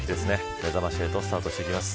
めざまし８スタートしていきます。